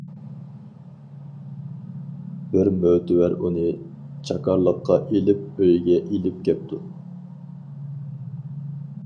بىر مۆتىۋەر ئۇنى چاكارلىققا ئېلىپ، ئۆيىگە ئېلىپ كەپتۇ.